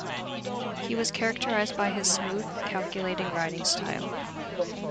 He was characterized by his smooth, calculating riding style.